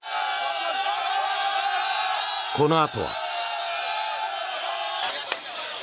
このあとは。